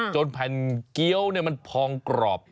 แผ่นเกี้ยวมันพองกรอบ